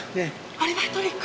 アリバイトリック。